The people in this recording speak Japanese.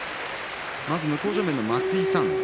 向正面の松井さん